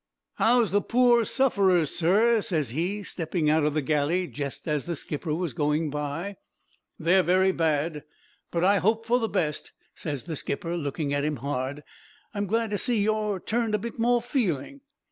"'How's the pore sufferers, sir?" ses he, stepping out of the galley jest as the skipper was going by. "'They're very bad; but I hope for the best,' ses the skipper, looking at him hard. 'I'm glad to see you're turned a bit more feeling.'